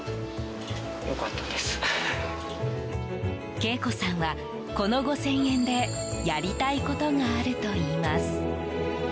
恵子さんは、この５０００円でやりたいことがあるといいます。